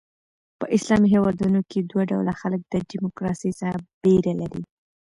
په اسلامي هیوادونو کښي دوه ډوله خلک د ډیموکراسۍ څخه بېره لري.